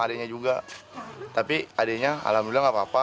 kakaknya agak kecil satu kembar apa